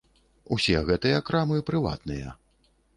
Усе гэтыя крамы прыватныя.